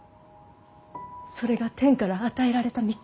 それが天から与えられた道。